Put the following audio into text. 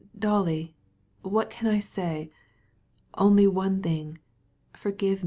"Dolly, what can I say?... One thing: forgive....